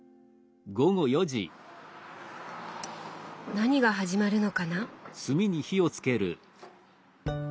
何が始まるのかな？